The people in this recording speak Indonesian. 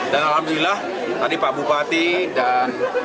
dan alhamdulillah tadi pak bupati dan